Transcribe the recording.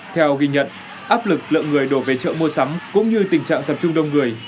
theo ghi nhận áp lực lượng người đổ về chợ mua sắm cũng như tình trạng tập trung đông người